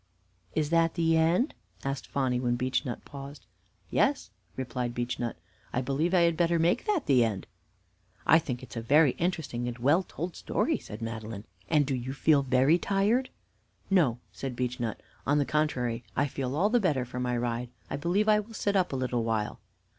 "Is that the end?" asked Phonny, when Beechnut paused. "Yes," replied Beechnut, "I believe I had better make that the end." "I think it is a very interesting and well told story," said Madeline. "And do you feel very tired?" "No," said Beechnut. "On the contrary, I feel all the better for my ride. I believe I will sit up a little while."